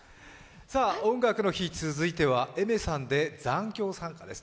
「音楽の日」続いてはＡｉｍｅｒさんで「残響散歌」です。